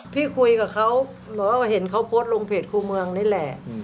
พี่คุยกับเขาบอกว่าเห็นเขาโพสต์ลงเพจครูเมืองนี่แหละ